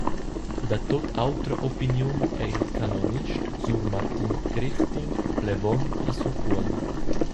Da tut autra opiniun ei il canonist sur Martin Grichting, plevon a Surcuolm.